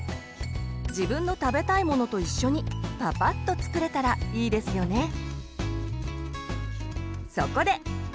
自分の食べたいものと一緒にパパッと作れたらいいですよね。